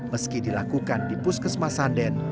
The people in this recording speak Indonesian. meski dilakukan di puskesmasanden